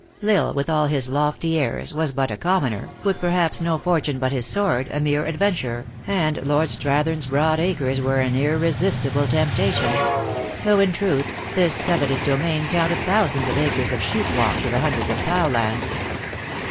L Isle, with all his lofty airs, was but a commoner, with perhaps no fortune but his sword, a mere adventurer, and Lord Strathern s broad acres were an irresistible temptation ; though, in truth, this coveted domain counted thousands of acres of sheep walk to the hundreds of plough land.